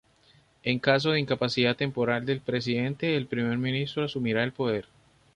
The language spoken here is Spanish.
En caso de incapacidad temporal del presidente el primer ministro asumirá el poder.